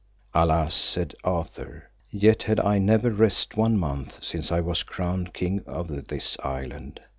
Alas, said Arthur, yet had I never rest one month since I was crowned king of this land.